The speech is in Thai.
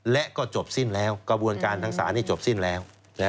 และก็จบสิ้นแล้วกระบวนการทางศาลจบสิ้นแล้ว